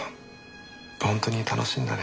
本当に楽しいんだね。